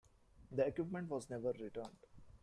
The equipment was never returned.